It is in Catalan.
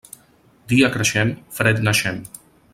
Dia creixent, fred naixent.